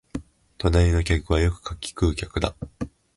隣の客はよくかき食う客だ